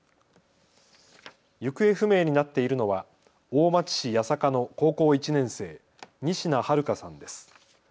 行方不明になっているのは大町市八坂の高校１年生、仁科日花さんです。